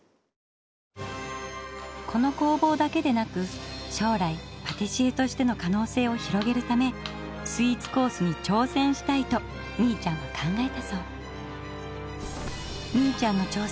この工房だけでなく将来パティシエとしての可能性を広げるためスイーツコースに挑戦したいとみいちゃんは考えたそう。